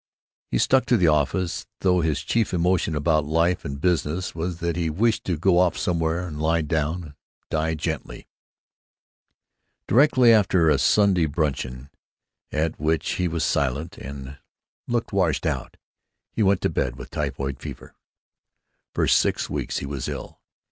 He stuck to the office, though his chief emotion about life and business was that he wished to go off somewhere and lie down and die gently. Directly after a Sunday bruncheon, at which he was silent and looked washed out, he went to bed with typhoid fever. For six weeks he was ill.